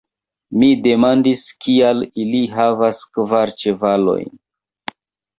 Mi demandis, kial ili havas kvar ĉevalojn.